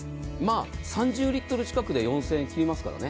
３０リットル近くで４０００円切りますからね。